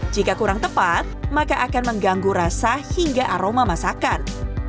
jika kurang tepat maka akan mengganggu rasa hingga aroma masakan